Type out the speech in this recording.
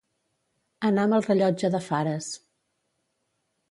Anar amb el rellotge de Fares.